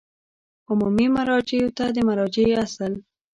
عمومي مراجعو ته د مراجعې اصل